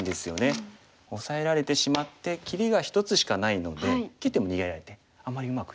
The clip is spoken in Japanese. オサえられてしまって切りが１つしかないので切っても逃げられてあんまりうまくいかない。